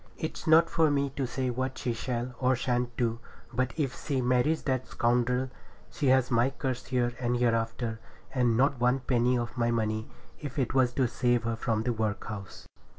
It's not for me to say what she shall or shan't do, but if she marries that scoundrel, she has my curse here and hereafter, and not one penny of my money, if it was to save her from the workhouse.'